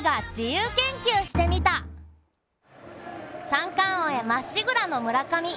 三冠王へまっしぐらの村上。